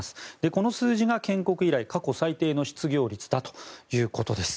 この数字が建国以来、過去最低の失業率だということです。